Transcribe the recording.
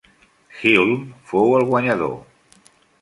Hulme fou el guanyador.